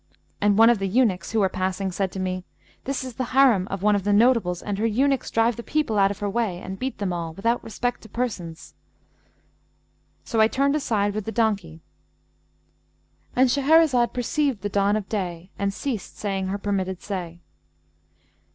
and one of the eunuchs, who were passing, said to me, 'This is the Harim[FN#183] of one of the notables and her eunuchs drive the people out of her way and beat them all, without respect to persons.' So I turned aside with the donkey'"—And Shahrazad perceived the dawn of day and ceased saying her permitted say.